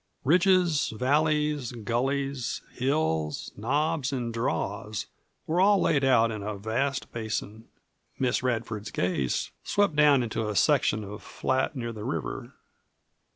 Ridges, valleys, gullies, hills, knobs, and draws were all laid out in a vast basin. Miss Radford's gaze swept down into a section of flat near the river.